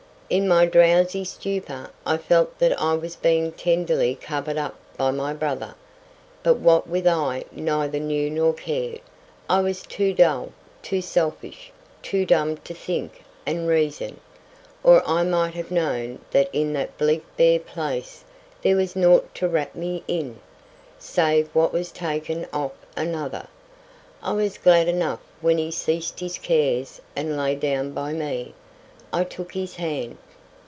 In my drowsy stupor I felt that I was being tenderly covered up by my brother; but what with I neither knew nor cared—I was too dull, too selfish, too numb to think and reason, or I might have known that in that bleak bare place there was nought to wrap me in, save what was taken off another. I was glad enough when he ceased his cares and lay down by me. I took his hand.